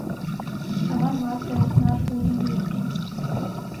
Саван вате окнаш вуйжым лукто.